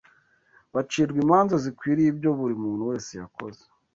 bacirwa imanza zikwiriye ibyo buri muntu wese yakoze